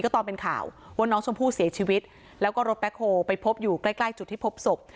ตอนเป็นข่าวว่าน้องชมพู่เสียชีวิตแล้วก็รถแบ็คโฮลไปพบอยู่ใกล้ใกล้จุดที่พบศพ